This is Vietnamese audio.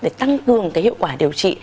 để tăng cường cái hiệu quả điều trị